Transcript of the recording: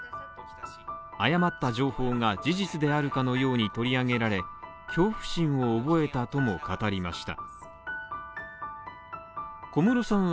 誤った情報が事実であるかのように取り上げられ恐怖心を覚えたとも語りました。